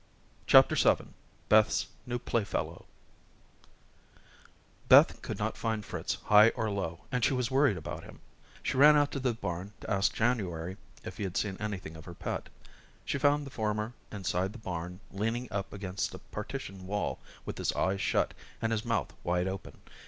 CHAPTER VII Beth's New Playfellow Beth could not find Fritz high or low and she was worried about him. She ran out to the barn to ask January if he had seen anything of her pet. She found the former inside the barn leaning up against a partition wall with his eyes shut and his mouth wide open.